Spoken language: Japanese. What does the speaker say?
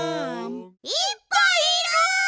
いっぱいいる！